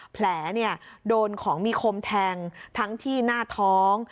แผลโดนของมีคมแทงทั้งที่หน้าท้อง